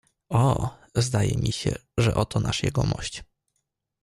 "O, zdaje mi się, że oto nasz jegomość!"